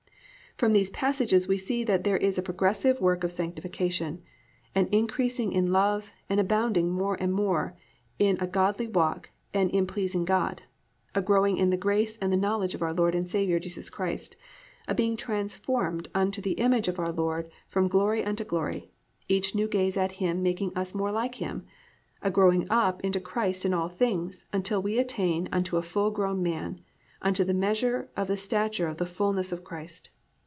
"+ From these passages we see that _there is a progressive work of Sanctification, an increasing in love, an abounding more and more in a godly walk and in pleasing God, a growing in the grace and the knowledge of our Lord and Saviour Jesus Christ, a being transformed into the image of our Lord from glory unto glory_, each new gaze at Him making us more like Him; a growing up into Christ in all things, until we attain unto a full grown man, unto the measure of the stature of the fullness of Christ.